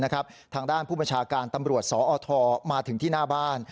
ทางด้านผู้บัญชาการตำรวจสอทมาถึงที่หน้าบ้าน